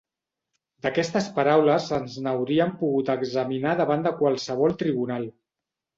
D'aquestes paraules ens n'hauríem pogut examinar davant de qualsevol tribunal.